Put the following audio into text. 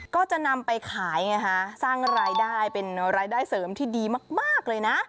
ก็จะนำไปขายไงฮะสร้างรายได้เป็นรายได้เสริมที่ดีมากเลยนะ